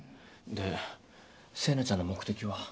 で星名ちゃんの目的は？